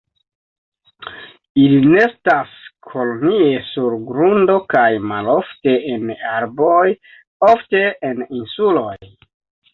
Ili nestas kolonie sur grundo kaj malofte en arboj, ofte en insuloj.